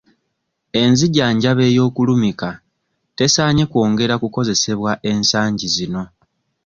Enzijanjaba ey'okulumika tesaanye kwongera kukozesebwa ensangi zino.